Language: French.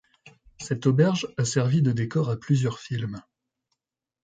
Cette auberge a servi de décor à plusieurs films.